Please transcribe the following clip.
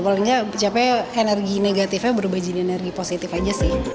paling nggak capek energi negatifnya berubah jadi energi positif aja sih